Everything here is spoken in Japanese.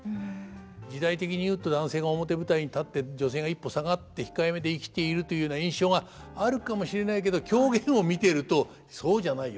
時代的にいうと男性が表舞台に立って女性が一歩下がって控えめで生きているというような印象があるかもしれないけど狂言を見ているとそうじゃないよ。